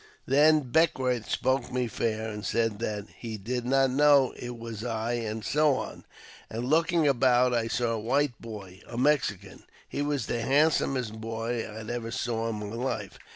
" Then Beckwourth spoke me fair, and said that he did not know it was I, and so on. And looking about, I saw a NEW ENGLISH EDITION. 11 white boy, a Mexican. He was the handsomest boy I ever saw in my Hfe.